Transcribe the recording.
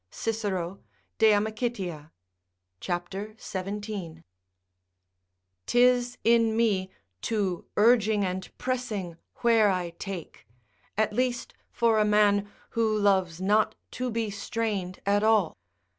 Cicero, De Amicit., c. 17.] 'tis in me, too urging and pressing where I take; at least, for a man who loves not to be strained at all.